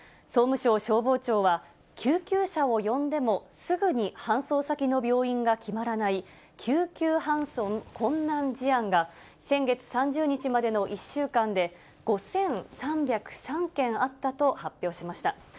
総務省消防庁は、救急車を呼んでもすぐに搬送先の病院が決まらない、救急搬送困難事案が、先月３０日までの１週間で、５３０３件あったと発表しました。